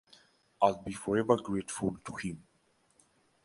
I'll be forever grateful to him.